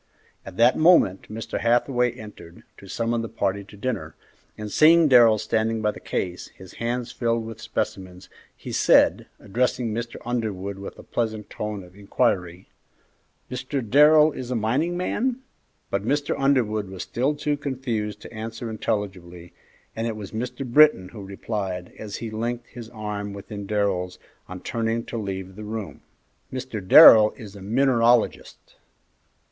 At that moment Mr. Hathaway entered to summon the party to dinner, and seeing Darrell standing by the case, his hands filled with specimens, he said, addressing Mr. Underwood with a pleasant tone of inquiry, "Mr. Darrell is a mining man?" But Mr. Underwood was still too confused to answer intelligibly, and it was Mr. Britton who replied, as he linked his arm within Darrell's on turning to leave the room, "Mr. Darrell is a mineralogist."